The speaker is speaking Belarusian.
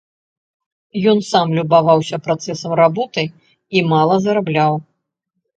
Ён сам любаваўся працэсам работы і мала зарабляў.